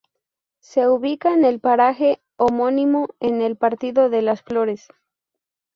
Se ubica en el paraje homónimo, en el Partido de Las Flores.